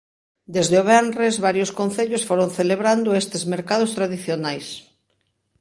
Desde o venres varios concellos foron celebrando estes mercados tradicionais.